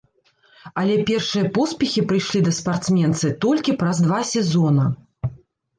Але першыя поспехі прыйшлі да спартсменцы толькі праз два сезона.